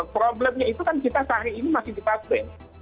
problemnya itu kan kita sehari ini masih dipasang